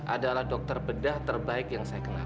adalah dokter bedah terbaik yang saya kenal